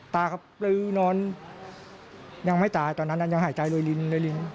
ตาก็เลื่อนอนยังไม่ตายตอนนั้นยังหายใจโรยริน